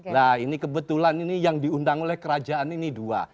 nah ini kebetulan ini yang diundang oleh kerajaan ini dua